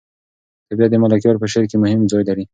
طبیعت د ملکیار په شعر کې مهم ځای لري.